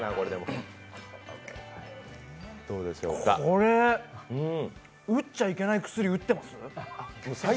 これ、打っちゃいけない薬打ってます？